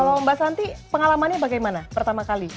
kalau mbak santi pengalamannya bagaimana pertama kali